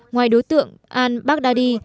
ngoài đối tượng al baghdadi